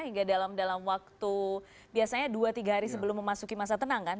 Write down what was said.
hingga dalam waktu biasanya dua tiga hari sebelum memasuki masa tenang kan